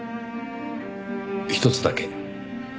ひとつだけ。